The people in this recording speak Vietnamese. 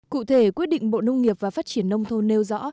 cụ thể quyết định bộ nông nghiệp và phát triển nông thôn nêu rõ